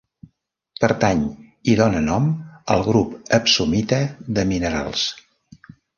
Pertany i dóna nom al grup epsomita de minerals.